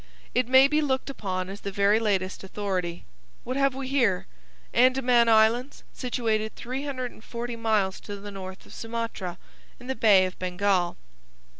It may be looked upon as the very latest authority. What have we here? 'Andaman Islands, situated 340 miles to the north of Sumatra, in the Bay of Bengal.